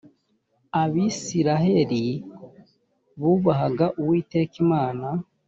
abisirayeli bubahaga uwiteka imana.